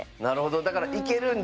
なるほどだからいける。